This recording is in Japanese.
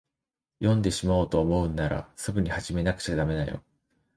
読んでしまおうと思うんなら、すぐに始めなくちゃだめよ。